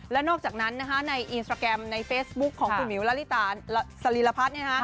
แล้วนอกจากนั้นในอินสตราแกรมในเฟซบุ๊คของคุณหิวสรีรพัฒน์